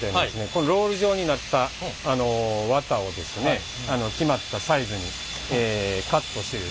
このロール状になった綿を決まったサイズにカットしてほう。